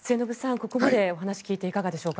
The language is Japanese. ここまでお話を聞いていかがでしょうか。